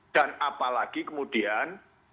dan apalagi kemudian